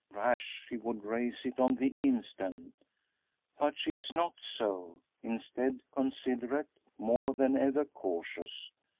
Rash she would raise it on the instant. But she is not so; instead considerate, more than ever cautious.